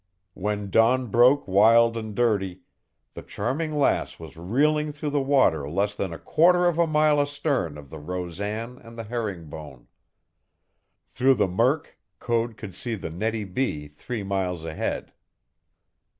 When dawn broke wild and dirty, the Charming Lass was reeling through the water less than a quarter of a mile astern of the Rosan and the Herring Bone. Through the murk Code could see the Nettie B. three miles ahead.